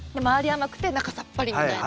甘くて中さっぱりみたいな。